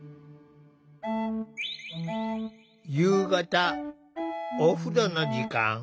夕方お風呂の時間。